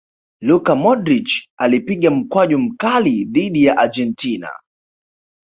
luka modric alipiga mkwaju mkali dhidi ya argentina